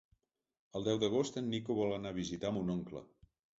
El deu d'agost en Nico vol anar a visitar mon oncle.